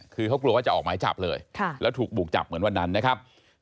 คือเขากลัวว่าจะออกหมายจับเลยแล้วถูกบุกจับเหมือนวันนั้นนะครับ